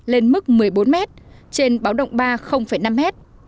lên mức một mươi bốn mét trên báo động ba năm mét